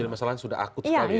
masalahnya sudah akut